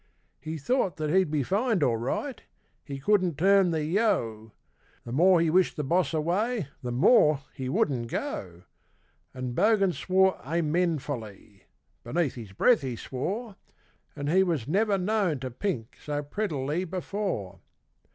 He thought that he'd be fined all right he couldn't turn the 'yoe;' The more he wished the boss away, the more he wouldn't go; And Bogan swore amenfully beneath his breath he swore And he was never known to 'pink' so prettily before.